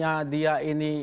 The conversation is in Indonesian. sepertinya dia ini